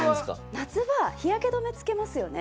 夏場日焼け止めつけますよね。